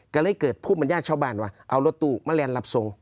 ก็เลยเกิดพูดบรรยากชาวบ้านว่าเอารถตู้มาแลนรับส่ง